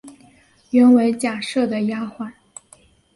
原为贾赦的丫环。